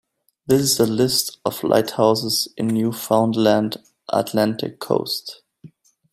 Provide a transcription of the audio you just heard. This is a list of lighthouses in Newfoundland Atlantic Coast.